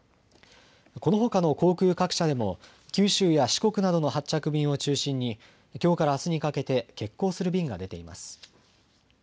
このほかの航空各社でも九州や四国などの発着便を中心にきょうからあすにかけて欠航する便が出ています。